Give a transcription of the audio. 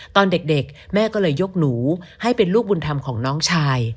ตอนเด็กแม่ก็เลยยกหนูให้เป็นลูกบุญธรรมของน้องชาย